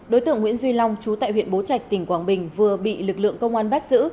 đối tượng nguyễn duy long chú tại huyện bố trạch tỉnh quảng bình vừa bị lực lượng công an bắt giữ